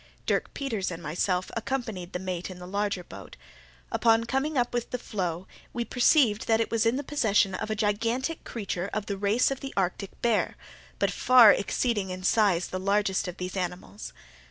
Dirk Peters and myself accompanied the mate in the larger boat. Upon coming up with the floe, we perceived that it was in the possession of a gigantic creature of the race of the Arctic bear, but far exceeding in size the largest of these animals.